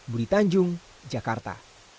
budi tanjung jakarta